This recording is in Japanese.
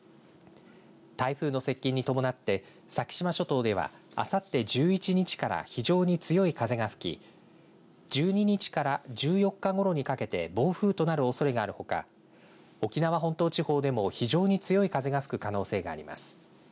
台風の接近に伴って先島諸島ではあさって１１日から非常に強い風が吹き１２日から１４日ごろにかけて暴風となるおそれがあるほか沖縄本島地方でも非常に強い風が吹く可能性があります。